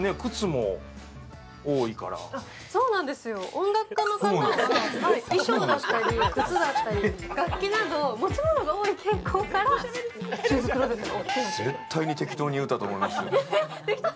音楽家の方は衣装だったり靴だったり持ち物が多い傾向があるからシューズクローゼットが大きい。